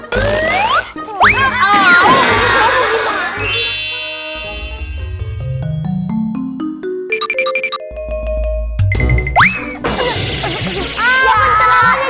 terima kasih tidak hal ini